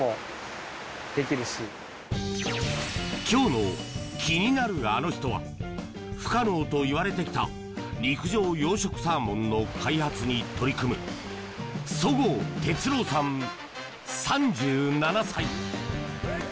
今日の気になるアノ人は不可能といわれてきた陸上養殖サーモンの開発に取り組む十河哲朗さん、３７歳。